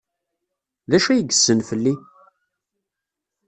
D acu ay yessen fell-i?